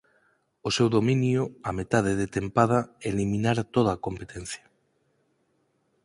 O seu dominio a metade de tempada eliminara toda competencia.